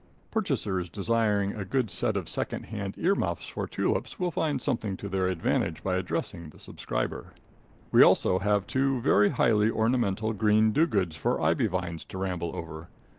Purchasers desiring a good set of second hand ear muffs for tulips will find something to their advantage by addressing the subscriber. We also have two very highly ornamental green dogoods for ivy vines to ramble over.